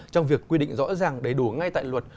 trong việc quy định rõ ràng đầy đủ ngay tại luật